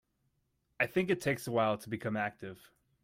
I think it takes a while to become active.